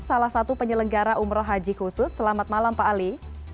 salah satu penyelenggara umroh haji khusus selamat malam pak ali